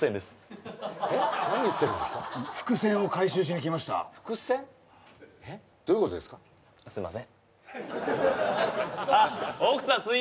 すいません